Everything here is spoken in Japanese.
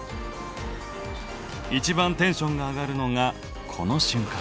一番テンションが上がるのがこの瞬間！